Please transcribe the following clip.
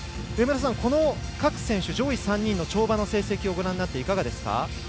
この各選手上位３人の跳馬の成績をご覧になっていかがですか？